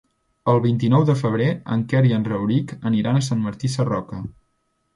El vint-i-nou de febrer en Quer i en Rauric aniran a Sant Martí Sarroca.